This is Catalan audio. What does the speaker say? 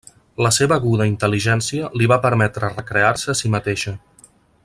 La seva aguda intel·ligència li va permetre recrear-se a si mateixa.